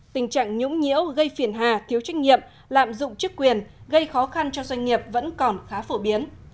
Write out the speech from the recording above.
tình trạng nhũng nhiễu gây phiền hà thiếu trách nhiệm lạm dụng chức quyền gây khó khăn cho doanh nghiệp vẫn còn khá phổ biến